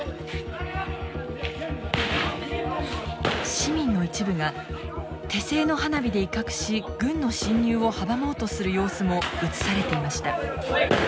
市民の一部が手製の花火で威嚇し軍の侵入を阻もうとする様子も映されていました。